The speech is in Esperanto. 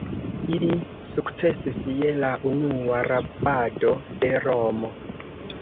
Ili sukcesis je la unua rabado de Romo.